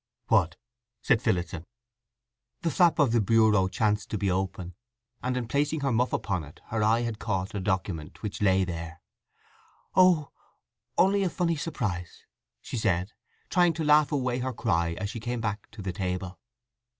"What?" said Phillotson. The flap of the bureau chanced to be open, and in placing her muff upon it her eye had caught a document which lay there. "Oh—only a—funny surprise!" she said, trying to laugh away her cry as she came back to the table.